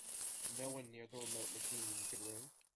No one near the remote machine you could ring?